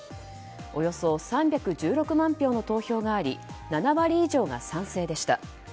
およそ３１６万票の投票があり７割以上が賛成でした。